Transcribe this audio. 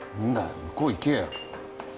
向こう行けよ